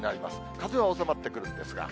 風は収まってくるんですが。